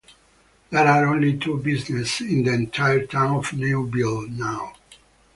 There are only two businesses in the entire town of Newville now.